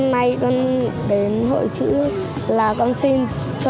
năm nay tôi đến hội chữ là con xin cho mình chữ phúc và con xin cho em con là chữ tài